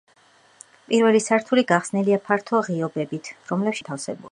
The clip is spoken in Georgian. პირველი სართული გახსნილია ფართო ღიობებით, რომლებშიც სავაჭრო რიგები იყო განთავსებული.